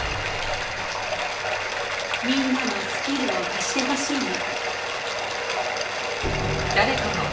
みんなのスキルを貸してほしいの。